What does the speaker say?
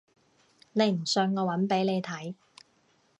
你唔信我搵俾你睇